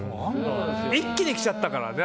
一気に来ちゃったからね